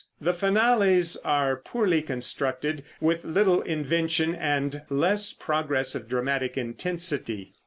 The finales are poorly constructed, with little invention and less progress of dramatic intensity.